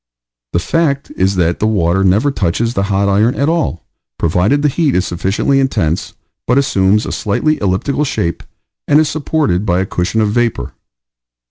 The fact is that the water never touches the hot iron at all, provided the heat is sufficiently intense, but assumes a slightly elliptical shape and is supported by a cushion of vapor.